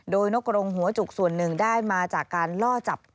โดยนกรงหัวจุกส่วนหนึ่งได้มาจากการล่อจับ